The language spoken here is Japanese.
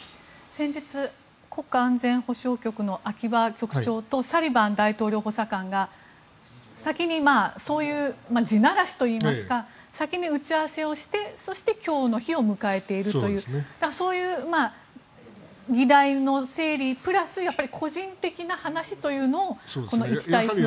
先日、国家安全保障局の秋葉局長とサリバン大統領補佐官が先にそういう地ならしというか先に打ち合わせをしてそして今日の日を迎えているというそういう議題の整理プラス個人的な話というのをこの１対１で。